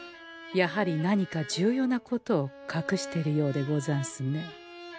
やはり何か重要なことをかくしてるようでござんすね。